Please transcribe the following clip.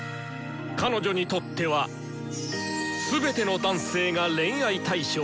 彼女にとっては全ての男性が恋愛対象！